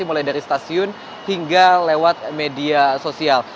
mulai dari stasiun hingga lewat media sosial